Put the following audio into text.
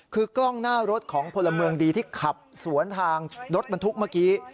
คือกล้องหน้ารถของพลเมืองดีที่ขับสวนทางรถบรรทุกเมื่อกี้